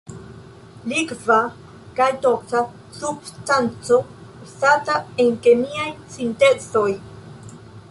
Likva kaj toksa substanco uzata en kemiaj sintezoj.